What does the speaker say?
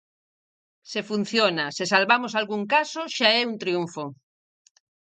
Se funciona, se salvamos algún caso, xa é un triunfo.